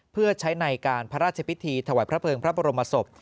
เพื่อใช้ในการพระราชพิธีถวายพระเภิงพระบรมศพ